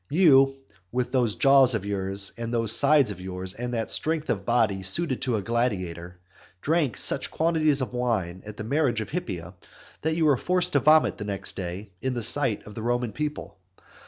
You, with those jaws of yours, and those sides of yours, and that strength of body suited to a gladiator, drank such quantities of wine at the marriage of Hippia, that you were forced to vomit the next day in the sight of the Roman people.